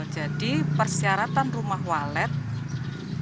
jadi persyaratan rumah walet itu berdasarkan apa yang diakses